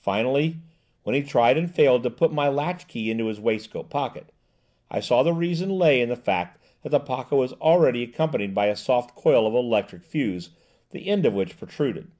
Finally, when he tried and failed to put my latch key into his waistcoat pocket, I saw the reason lay in the fact that the pocket was already occupied by a soft coil of electric fuse, the end of which protruded.